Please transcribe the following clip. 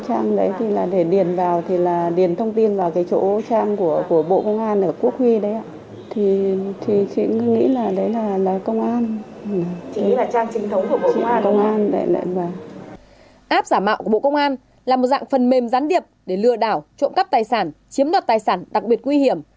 a giảp giả mạo của bộ công an là một dạng phần mềm gián điệp để lừa đảo trộm cắp tài sản chiếm đoạt tài sản đặc biệt nguy hiểm